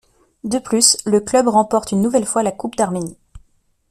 De plus, le club remporte une nouvelle fois la coupe d'Arménie.